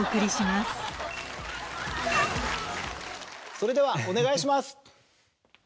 それではお願いします。